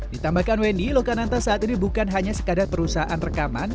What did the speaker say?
ditambahkan wendy lokananta saat ini bukan hanya sekadar perusahaan rekaman